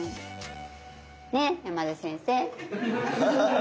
ね山田先生！